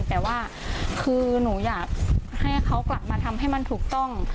แต่ว่าคือหนูอยากให้เขากลับมาทำให้มันถูกต้อง